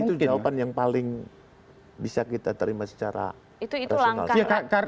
itu jawaban yang paling bisa kita terima secara rasional